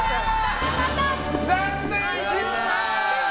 残念、失敗！